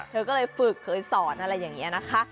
เธอก็เลยฝึกเคยสอนอะไรอย่างนี้นะคะ